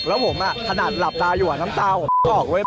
แล้วผมอ่ะถนัดหลับตาอยู่อ่ะน้ำตาวออกด้วย